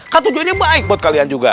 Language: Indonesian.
katunya ini baik buat kalian juga